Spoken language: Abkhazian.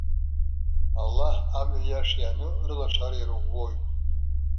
Аллаҳ амҩа иаша иану рылашара ирӷәӷәоит.